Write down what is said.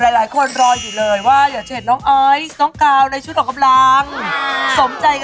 หลายคนรออยู่เลยว่าอย่าเชิญน้องไอซ์น้องกาวในชุดออกกำลัง